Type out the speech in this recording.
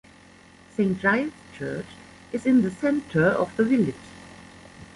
Saint Giles church is in the centre of the village.